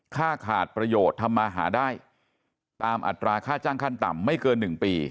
ค่าขาดประโยชน์ทำมาหาได้ตามอัตราค่าจ้างขั้นต่ำไม่เกิน๑ปี